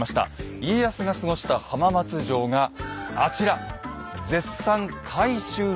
家康が過ごした浜松城があちら。